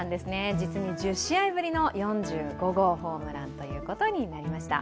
実に１０試合ぶりの４５号ホームランということになりました。